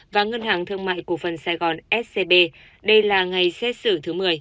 và ngân hàng thương mại cổ phần sài gòn scb đây là ngày xét xử thứ một mươi